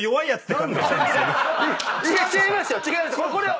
違いますよ。